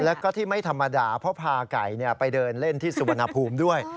แล้วก็ที่ไม่ธรรมดาเพราะพาไก่ไปเดินเล่นที่สุวรรณภูมิด้วย